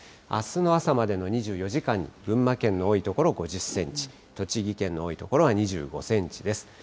あすの朝までの２４時間に、群馬県の多い所、５０センチ、栃木県の多い所は２５センチです。